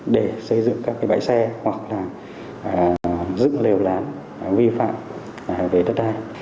để xây dựng các bãi xe hoặc là dựng lều lán vi phạm về đất đai